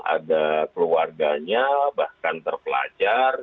ada keluarganya bahkan terpelajar